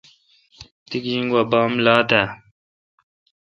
تی گیجین گوا بام لا دہ۔